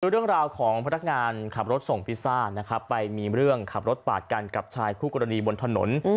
เรื่องราวของพนักงานขับรถส่งพิซซ่านะครับไปมีเรื่องขับรถปาดกันกับชายคู่กรณีบนถนน